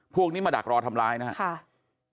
พวกนี้มาดักรอทำร้ายนะครับ